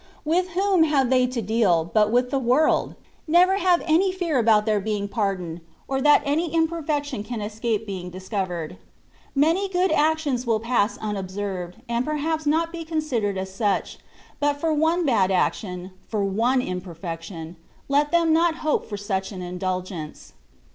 With whom have they to deal, but with the world? Never have any fear about their being pardoned, or that 12 THE WAT OF PE&FECTIOV. any imperfection can escape bdng discorered. Many good actions will pass anobserred, and par haps not be considered as such ; bnt for one bad action — for one imperfection, let th^n not hope for such an indulgence.